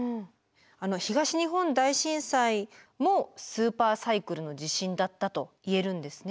東日本大震災もスーパーサイクルの地震だったと言えるんですね？